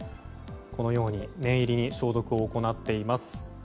このように念入りに消毒を行っています。